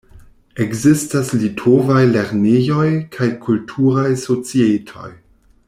Ekzistas litovaj lernejoj kaj kulturaj societoj.